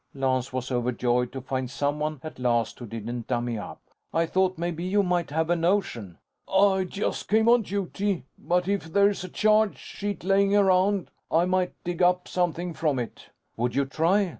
Lance was overjoyed to find someone, at last, who didn't dummy up. "I thought maybe you might have a notion." "I just came on duty. But if there's a charge sheet lying around, I might dig up something from it." "Would you try?"